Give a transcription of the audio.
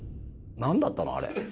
なんだったの、あれ？